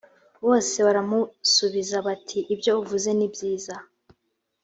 bose baramusubiza bati ibyo uvuze ni byiza